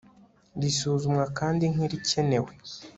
risuzumwa kandi nk irikenewe